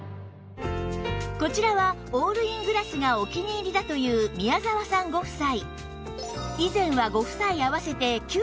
こちらはオールイングラスがお気に入りだという宮澤さんご夫妻